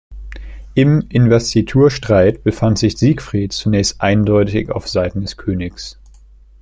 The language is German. Im Investiturstreit befand sich Siegfried zunächst eindeutig auf Seiten des Königs.